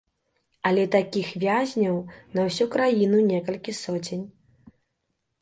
Але такіх вязняў на ўсю краіну некалькі соцень.